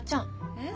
えっ？